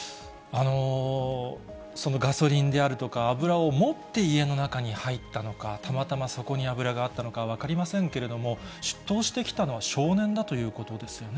そのガソリンであるとか、油を持って家の中に入ったのか、たまたまそこに油があったのか分かりませんけれども、出頭してきたのは少年だということですよね。